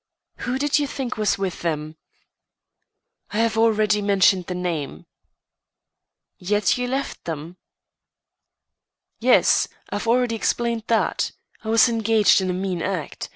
"Who did you think was with them?" "I have already mentioned the name." "Yet you left them?" "Yes, I've already explained that. I was engaged in a mean act.